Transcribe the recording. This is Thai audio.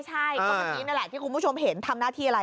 ใช่ก็เมื่อกี้นั่นแหละที่คุณผู้ชมเห็นทำหน้าที่อะไร